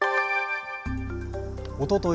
おととい